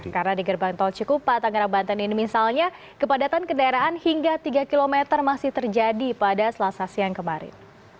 karena di gerbang tol cikupa tangerang banten ini misalnya kepadatan kendaraan hingga tiga km masih terjadi pada selasa siang kemarin